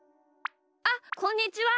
あっこんにちは。